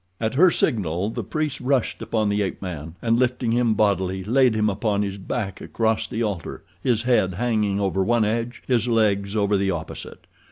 At her signal the priests rushed upon the ape man, and, lifting him bodily, laid him upon his back across the altar, his head hanging over one edge, his legs over the opposite.